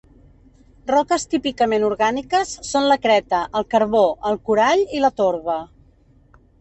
Roques típicament orgàniques són la creta, el carbó, el corall i la torba.